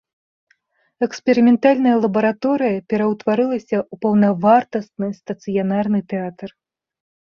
Эксперыментальная лабараторыя пераўтварылася ў паўнавартасны стацыянарны тэатр.